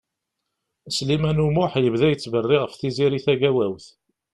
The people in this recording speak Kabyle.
Sliman U Muḥ yebda yettberri ɣef Tiziri Tagawawt.